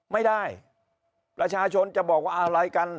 ไม่ได้ประชาชนจะบอกว่าอะไรกัน